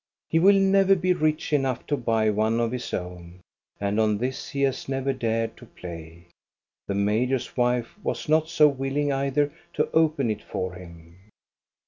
He will never be rich enough to buy one of his own, and on this he has never dared to play. The major's wife was not so willing either to open it for him.